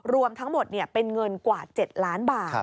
รวมทั้งหมดเป็นเงินกว่า๗ล้านบาท